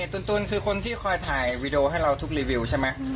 ตุ้นคือคนที่คอยถ่ายวีดีโอให้เราทุกรีวิวใช่ไหม